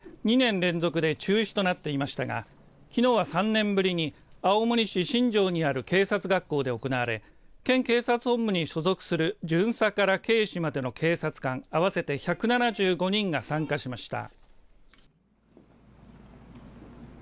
新型コロナウイルスの影響で２年連続で中止となっていましたがきのうは３年ぶりに青森市新城にある警察学校で行われ県警察本部に所属する巡査から警視までの警察官合わせて１７５人が参加しました。